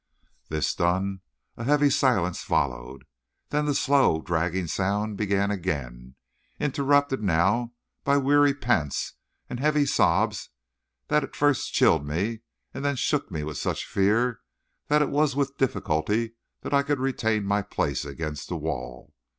This done, a heavy silence followed, then the slow, dragging sound began again, interrupted now by weary pants and heavy sobs that at first chilled me and then shook me with such fear that it was with difficulty that I could retain my place against the wall.